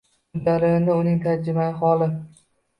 Bu jarayonda uning tarjimai holi